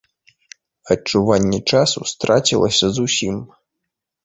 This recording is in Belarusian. Адчуванне часу страцілася зусім.